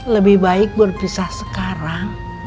lebih baik berpisah sekarang